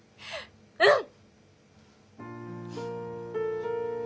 うん！